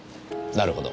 なるほど。